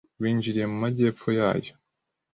winjiriye mu Majyepfo yayo,